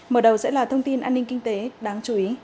mở đầu sẽ là thông tin an ninh kinh tế đáng chú ý